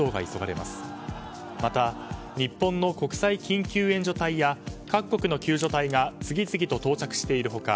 また、日本の国際緊急援助隊や各国の救助隊が次々と到着している他